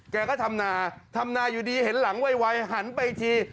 แกก็ทำนาทำนาอยู่ดีเห็นหลังไวหันไปอีกที